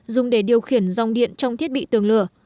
dùng để điều khiển dòng điện trong thiết bị tường lửa